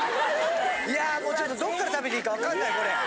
いやもうちょっとどっから食べていいか分かんないこれ。